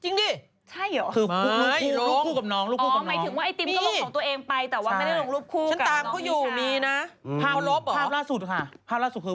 นานแล้วปีกว่าแล้วนี่